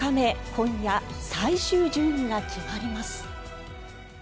今夜、最終順位が決まります。